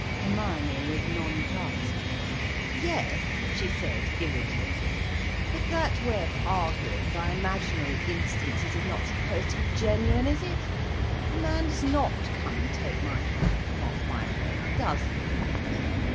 Hermione was nonplussed. "Yes," she said, irritated. "But that way of arguing by imaginary instances is not supposed to be genuine, is it? A man does not come and take my hat from off my head, does he?"